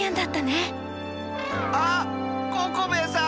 あっココベエさん！